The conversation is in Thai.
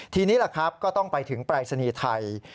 ทีนี้ก็ต้องไปถึงปรายศนีย์ไทย